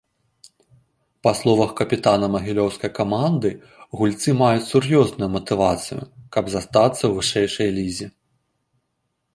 Па словах капітана магілёўскай каманды, гульцы маюць сур'ёзную матывацыю, каб застацца ў вышэйшай лізе.